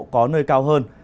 có nơi cao hơn